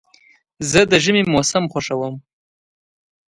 زه د ژمي موسم خوښوم.